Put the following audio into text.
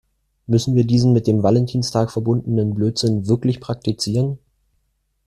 Müssen wir diesen mit dem Valentinstag verbundenen Blödsinn wirklich praktizieren?